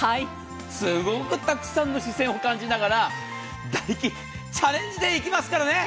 すごくたくさんの視線を感じながらダイキン、チャレンジデー行きますからね。